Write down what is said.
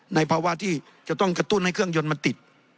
ในภาวะที่จะต้องกระตุ้นให้เครื่องยนต์มันติด